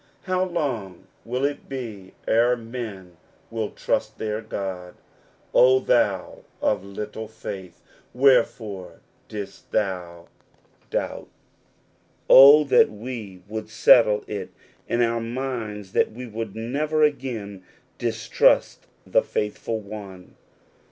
How long will it be ere men will trust their God ? "O thou of little faith, wherefore didst thou doubt ?" go According to the Promise. Oh, that we would settle it in our minds that w^ would never again distrust the Faithful One